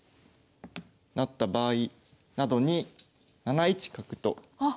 なった場合などに７一角と。